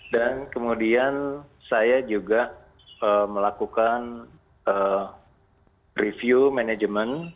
dan kemudian saya juga melakukan review manajemen